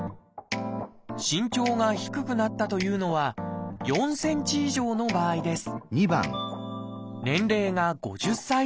身長が低くなったというのは４ｃｍ以上の場合です